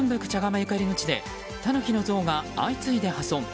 ゆかりの地でタヌキの像が相次いで破損。